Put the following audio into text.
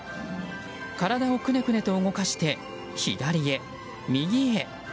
体をくねくねと動かして左へ、右へ。